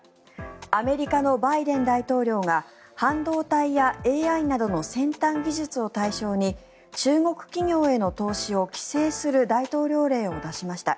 アメリカのバイデン大統領が半導体やＡＩなどの先端技術を対象に中国企業への投資を規制する大統領令を出しました。